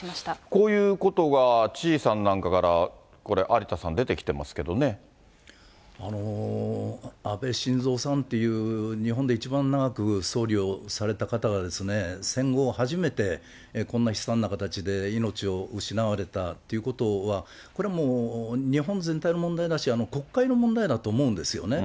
こういうことが知事さんなんかからこれ、有田さん、出てきて安倍晋三さんっていう日本で一番長く総理をされた方が、戦後初めて、こんな悲惨な形で命を失われたっていうことは、これはもう、日本全体の問題だし、国会の問題だと思うんですよね。